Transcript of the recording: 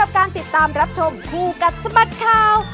ขอบคุณสำหรับที่ทำรับชมครูกัดสมัตถ์ข้าว